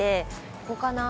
ここかな？